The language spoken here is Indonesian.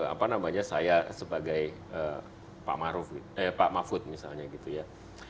apa namanya saya sebagai pak mahfud misalnya gitu ya